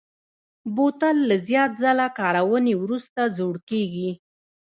بوتل له زیات ځله کارونې وروسته زوړ کېږي.